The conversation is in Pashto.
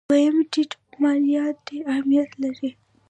دویم: ټیټ مالیات ډېر اهمیت لري.